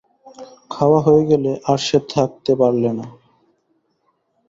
খাওয়া হয়ে গেলে আর সে থাকতে পারলে না।